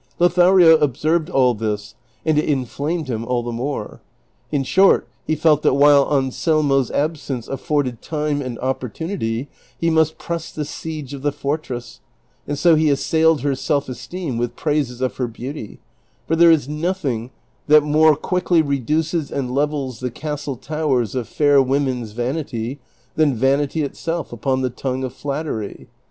Lo thario observed all this, and it inflamed him all the more. In short he felt that while Anselmo's absence aftbrded time and opportunity he must press the siege of the fortress, and so he assaiU^d her self esteem with praises of her beauty, for there is nothing that more quickly reduces and levels the castle towers of fair women's vanity than vanity itself upon the tongue of flattery.